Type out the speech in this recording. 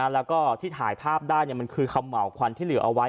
แล้วก็ที่ถ่ายภาพได้มันคือคำเห่าควันที่เหลือเอาไว้